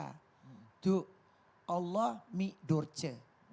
itu allah mi durce